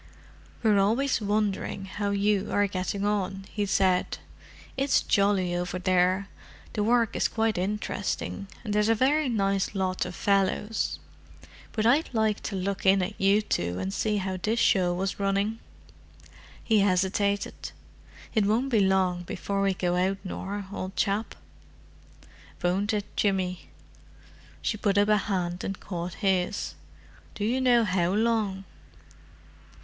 "We're always wondering how you are getting on," he said. "It's jolly over there—the work is quite interesting, and there's a very nice lot of fellows: but I'd like to look in at you two and see how this show was running." He hesitated. "It won't be long before we go out, Nor, old chap." "Won't it, Jimmy?" She put up a hand and caught his. "Do you know how long?"